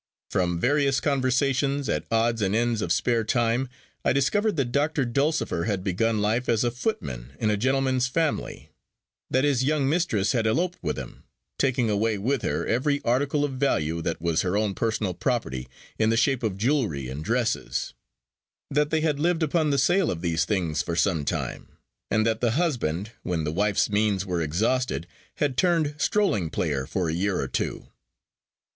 From various conversations, at odds and ends of spare time, I discovered that Doctor Dulcifer had begun life as a footman in a gentleman's family; that his young mistress had eloped with him, taking away with her every article of value that was her own personal property, in the shape of jewelry and dresses; that they had lived upon the sale of these things for some time; and that the husband, when the wife's means were exhausted, had turned strolling player for a year or two.